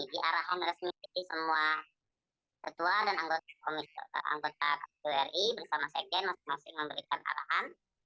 di arahan resmi jadi semua ketua dan anggota kpu ri bersama sekjen masing masing memberikan arahan